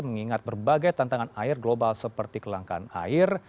mengingat berbagai tantangan air global seperti kelangkaan air